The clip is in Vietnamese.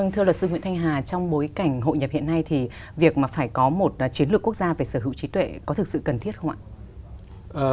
thưa luật sư nguyễn thanh hà trong bối cảnh hội nhập hiện nay thì việc mà phải có một chiến lược quốc gia về sở hữu trí tuệ có thực sự cần thiết không ạ